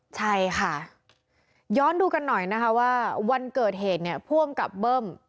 ใช่ค่ะย้อนดูกันหน่อยนะคะว่าวันเกิดเหตุเนี่ยผู้อำกับเบิ้ม